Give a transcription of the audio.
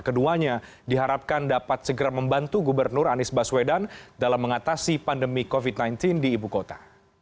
keduanya diharapkan dapat segera membantu gubernur anies baswedan dalam mengatasi pandemi covid sembilan belas di ibu kota